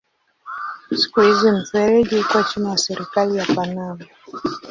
Siku hizi mfereji uko chini ya serikali ya Panama.